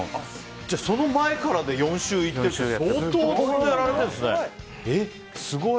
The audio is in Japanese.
じゃあその前から４周行ってるって相当行っているんですね。